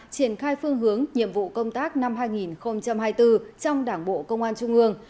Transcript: triển khai phương hướng nhiệm vụ công tác năm hai nghìn hai mươi bốn trong đảng bộ công an trung ương